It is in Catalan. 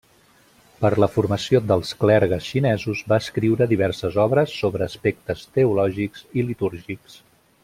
Per la formació dels clergues xinesos va escriure diverses obres sobre aspectes teològics i litúrgics.